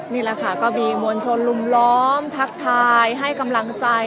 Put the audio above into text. นี่แหละค่ะก็มีมวลชนลุมล้อมทักทายให้กำลังใจ